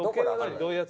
どういうやつ？